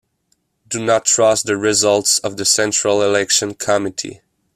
Do not trust the results of the central election committee.